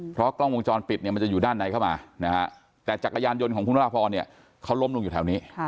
เพราะกล้องวงจรปิดเนี่ยมันจะอยู่ด้านในเข้ามานะฮะแต่จักรยานยนต์ของคุณวราพรเนี่ยเขาล้มลงอยู่แถวนี้